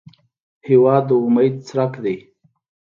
هېواد د امید څرک دی.